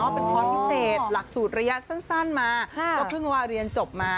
เป็นคอร์สพิเศษหลักสูตรระยะสั้นมาก็เพิ่งว่าเรียนจบมา